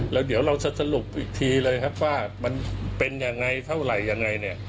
แล้วเดี๋ยวเราจะสรุปอีกทีเลยครับว่ามันเป็นอย่างไรเท่าไรอย่างไร